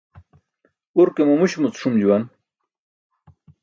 Urke mamuśumucum ṣum juwan.